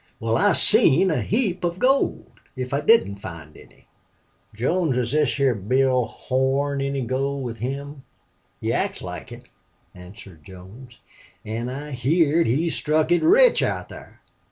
"Wal, I seen a heap of gold, if I didn't find any." "Jones, has this here Bill Horn any gold with him?" "He acts like it," answered Jones. "An' I heerd he struck it rich out thar."